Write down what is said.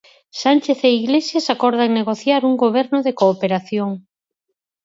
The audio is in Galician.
Sánchez e Iglesias acordan negociar un goberno de cooperación.